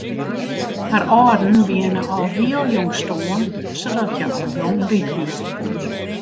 Har âlden wiene al heel jong stoarn sadat hja al jong ryk wie.